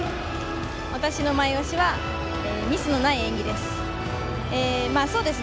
私のｍｙ推しはミスのない演技です。